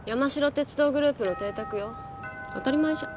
鉄道グループの邸宅よ当たり前じゃん